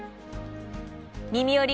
「みみより！